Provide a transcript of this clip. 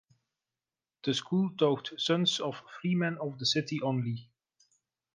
The school taught sons of freemen of the city only.